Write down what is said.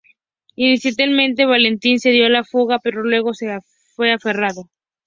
Inicialmente Valentine se dio a la fuga, pero luego fue arrestado.